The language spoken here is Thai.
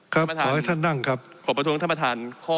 ขอให้ท่านนั่งครับขอประท้วงท่านประธานข้อ